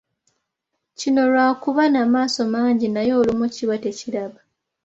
Kino lwa kuba na maaso mangi naye olumu kiba tekiraba.